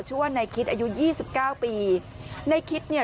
ชื่อว่านายคิดอายุยี่สิบเก้าปีในคิดเนี่ย